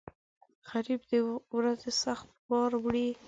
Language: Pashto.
غریب د ورځو سخت بار وړي